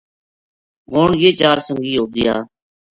ہن یہ چار سنگی ہو گیا